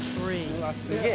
うわすげえ！